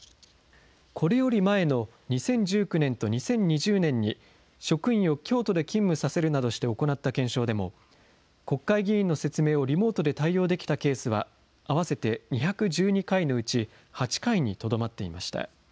これより前の２０１９年と２０２０年に、職員を京都で勤務させるなどして行った検証でも、国会議員の説明をリモートで対応できたケースは、合わせて２１２回のうち８回にとどまっていました。